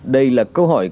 đây là câu hỏi